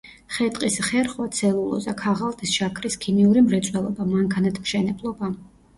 ხე-ტყის ხერხვა, ცელულოზა-ქაღალდის, შაქრის, ქიმიური მრეწველობა, მანქანათმშენებლობა.